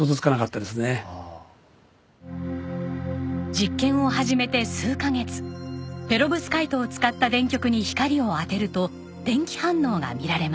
実験を始めて数カ月ペロブスカイトを使った電極に光を当てると電気反応が見られました。